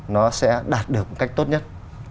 nó sẽ đạt được cách tốt nhất